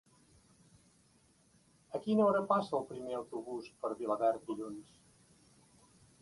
A quina hora passa el primer autobús per Vilaverd dilluns?